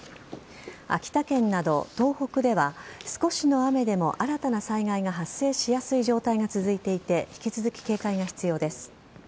秋田県など東北では少しの雨でも新たな災害が発生しやすい状態が続いていて引き続き警戒が必要です。